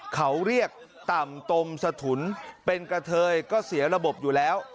เขาเรียกต่ำตมสถุนเป็นกระเทยก็เสียระบบอยู่แล้ว